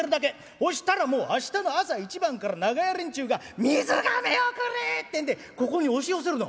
そしたら明日の朝一番から長屋連中が『水瓶をくれ』っていうんでここに押し寄せるの。